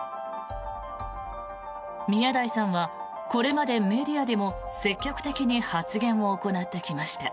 宮台さんはこれまでメディアでも積極的に発言を行ってきました。